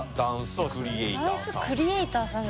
ダンスクリエイターさん。